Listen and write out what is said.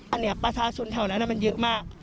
อันนี้ประชาชนแถวนั้นมันเยอะมาก